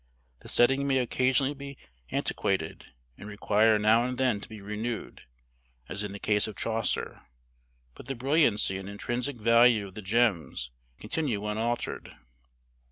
The setting may occasionally be antiquated, and require now and then to be renewed, as in the case of Chaucer; but the brilliancy and intrinsic value of the gems continue unaltered.